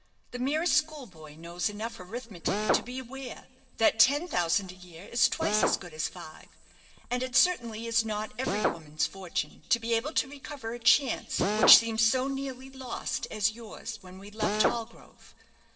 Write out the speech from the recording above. The merest schoolboy knows enough arithmetic to be aware that ten thousand a year is twice as good as five. And it certainly is not every woman's fortune to be able to recover a chance which seemed so nearly lost as yours when we left Hallgrove.